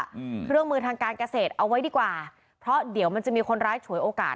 อืมเครื่องมือทางการเกษตรเอาไว้ดีกว่าเพราะเดี๋ยวมันจะมีคนร้ายฉวยโอกาส